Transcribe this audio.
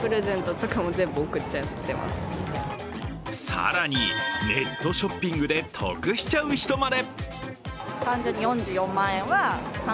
更に、ネットショッピングで得しちゃう人まで。